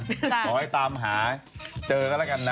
ขอให้ตามหาเจอกันแล้วกันนะ